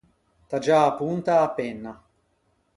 Taggiâ a ponta a-a penna.